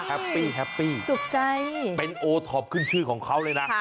ปี้แฮปปี้ถูกใจเป็นโอท็อปขึ้นชื่อของเขาเลยนะ